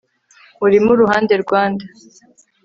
Urimo uruhande rwa nde